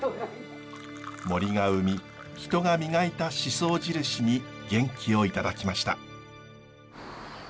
森が生み人が磨いた宍粟印に元気をいただきました。